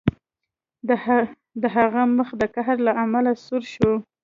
د هغه مخ د قهر له امله سور شو